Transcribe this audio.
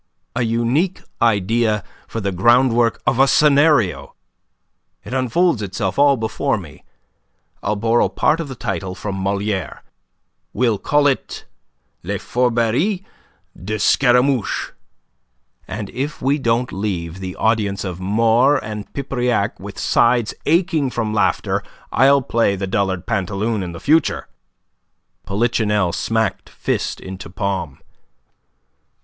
"A unique idea for the groundwork of a scenario. It unfolds itself all before me. I'll borrow part of the title from Moliere. We'll call it 'Les Fourberies de Scaramouche,' and if we don't leave the audiences of Maure and Pipriac with sides aching from laughter I'll play the dullard Pantaloon in future." Polichinelle smacked fist into palm.